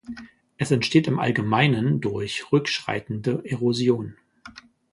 Es entsteht im Allgemeinen durch rückschreitende Erosion.